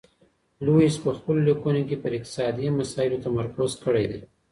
لویس په خپلو لیکنو کي پر اقتصادي مسایلو تمرکز کړی دی.